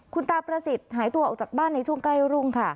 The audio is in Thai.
คุณตาประสิทธิ์หายตัวออกจากบ้านในช่วงใกล้รุ่งค่ะ